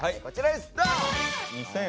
こちらですドン！